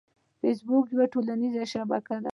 فېسبوک یوه ټولنیزه شبکه ده